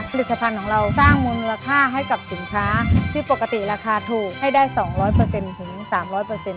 ผลิตภัณฑ์ของเราสร้างมูลค่าให้กับสินค้าที่ปกติราคาถูกให้ได้๒๐๐ถึง๓๐๐